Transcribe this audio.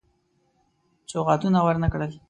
سوغاتونه ورنه کړل.